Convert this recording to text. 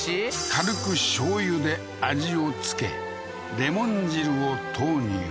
軽く醤油で味を付けレモン汁を投入